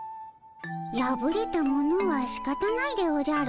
やぶれたものはしかたないでおじゃる。